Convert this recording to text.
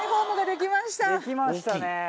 できましたね